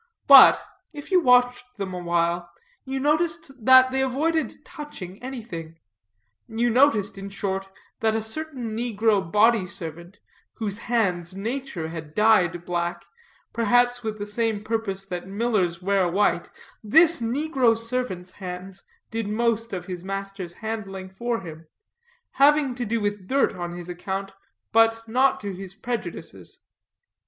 But, if you watched them a while, you noticed that they avoided touching anything; you noticed, in short, that a certain negro body servant, whose hands nature had dyed black, perhaps with the same purpose that millers wear white, this negro servant's hands did most of his master's handling for him; having to do with dirt on his account, but not to his prejudices.